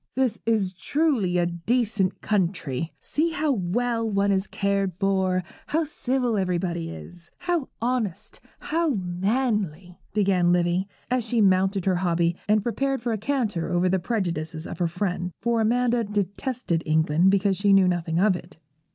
'This is truly a decent country. See how well one is cared for, how civil everybody is, how honest, how manly,' began Livy, as she mounted her hobby, and prepared for a canter over the prejudices of her friend; for Amanda detested England because she knew nothing of it.